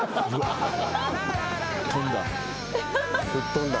飛んだ。